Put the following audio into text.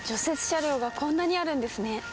雪車両がこんなにあるんですね。